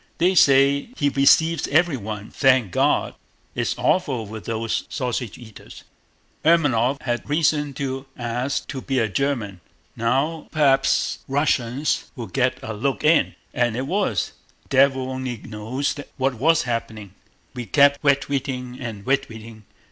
"They say he weceives evewyone, thank God!... It's awful with those sausage eaters! Ermólov had weason to ask to be pwomoted to be a German! Now p'waps Wussians will get a look in. As it was, devil only knows what was happening. We kept wetweating and wetweating.